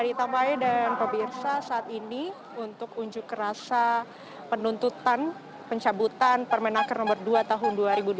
ya di tamu saya dan pak birsa saat ini untuk unjuk rasa penuntutan pencabutan permenaker nomor dua tahun dua ribu dua puluh dua